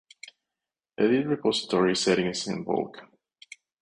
Edit repository settings in bulk